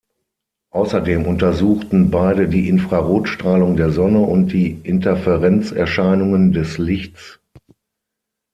Außerdem untersuchten beide die Infrarotstrahlung der Sonne und die Interferenzerscheinungen des Lichts.